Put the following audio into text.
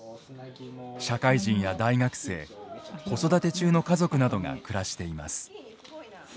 社会人や大学生子育て中の家族などが暮らしています。